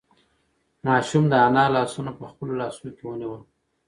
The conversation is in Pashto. ماشوم د انا لاسونه په خپلو لاسو کې ونیول.